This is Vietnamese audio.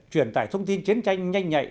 truyền tải thông tin chiến tranh nhanh nhạy